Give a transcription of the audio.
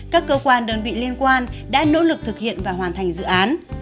các cơ quan đơn vị liên quan đã nỗ lực thực hiện và hoàn thành dự án